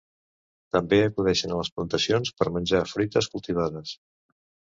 També acudeixen a les plantacions per menjar fruites cultivades.